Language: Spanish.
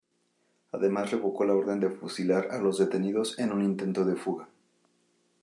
Además revocó la orden de fusilar a los detenidos en un intento de fuga.